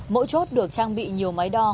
mỗi chốt được trang bị nhiều máy đo